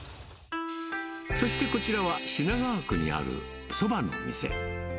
そしてこちらは、品川区にあるそばの店。